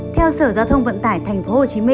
theo sở giao thông vận tải tp hcm